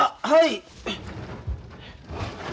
はい。